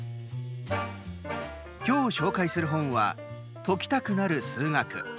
今日紹介する本は「解きたくなる数学」。